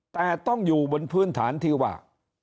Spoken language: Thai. แต่ต้องอยู่บนพื้นฐานที่ว่า